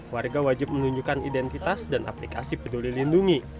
warga wajib menunjukkan identitas dan aplikasi peduli lindungi